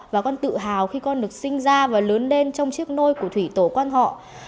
và con tự hào khi con được sinh ra và lớn lên trong chiếc nôi của thủy tổ quan họ